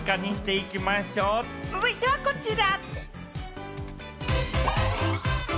続いては、こちら。